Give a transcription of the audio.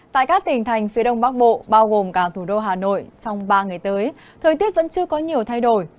tại các tỉnh thành phía đông bắc bộ bao gồm cả thủ đô hà nội trong ba ngày tới thời tiết vẫn chưa có nhiều thay đổi